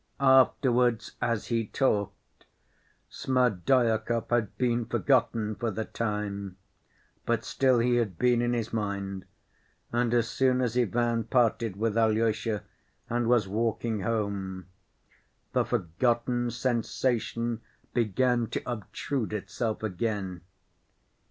Afterwards, as he talked, Smerdyakov had been forgotten for the time; but still he had been in his mind, and as soon as Ivan parted with Alyosha and was walking home, the forgotten sensation began to obtrude itself again.